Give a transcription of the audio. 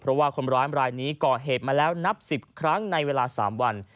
เพราะว่าคนร้ายรายนี้ก่อเหตุมาแล้วนับ๑๐ครั้งในเวลา๓วัน